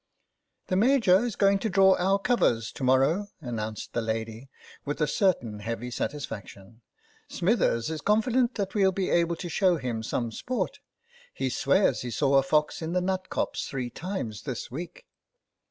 "The Major is going to draw our covers to morrow," announced the lady, with a certain heavy satisfaction. " Smithers is confident that we'll be able to show him some sport ; he swears he's seen a fox in the nut copse three times this week."